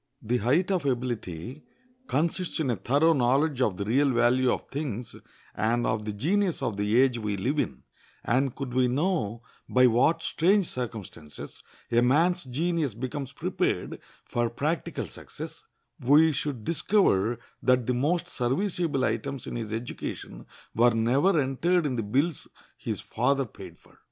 The height of ability consists in a thorough knowledge of the real value of things and of the genius of the age we live in, and could we know by what strange circumstances a man's genius becomes prepared for practical success, we should discover that the most serviceable items in his education were never entered in the bills his father paid for.